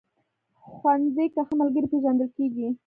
ښوونځی کې ښه ملګري پېژندل کېږي